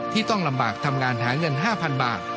ที่ต้องลำบากทำงานหาเงิน๕๐๐๐บาท